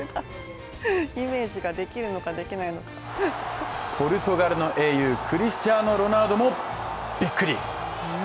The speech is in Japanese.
イメージができるのか、できないのかポルトガルの英雄、クリスチアーノ・ロナウドもびっくり！